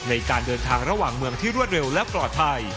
ในการเดินทางระหว่างเมืองที่รวดเร็วและปลอดภัย